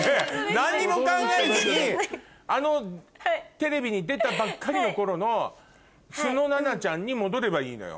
何にも考えずにあのテレビに出たばっかりの頃の素の奈々ちゃんに戻ればいいのよ。